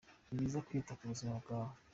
Nibyiza kwita kubuzima bwawe.